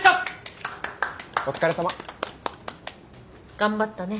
頑張ったね。